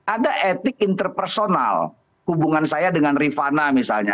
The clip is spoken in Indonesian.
ada etik interpersonal hubungan saya dengan rifana misalnya